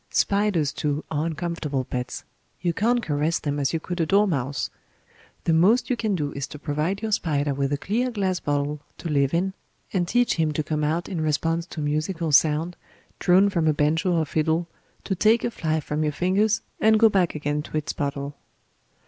Spiders, too, are uncomfortable pets; you can't caress them as you could a dormouse; the most you can do is to provide your spider with a clear glass bottle to live in, and teach him to come out in response to a musical sound, drawn from a banjo or fiddle, to take a fly from your fingers and go back again to its bottle.